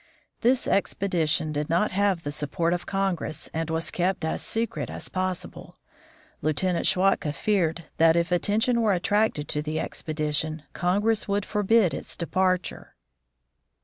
This expe dition did not have the support of Congress and was kept as secret as possible. Lieutenant Schwatka feared that, if attention were attracted to the expedition, Congress would forbid its departure.